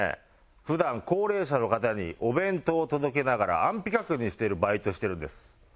普段高齢者の方にお弁当を届けながら安否確認しているバイトしてるんです。